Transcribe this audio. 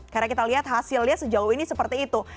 karena kita lihat hasilnya sejauh ini seperti itu